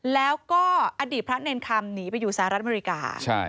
แล้วก็อดีตพระเนรคำหนีไปอยู่สหรัฐอเมริกา